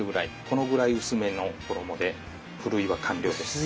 このぐらい薄めの衣でふるいは完了です。